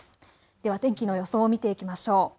では天気の予想を見ていきましょう。